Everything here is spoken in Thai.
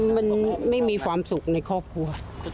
มันไม่มีความสุขในครอบครัว